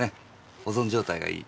保存状態がいい。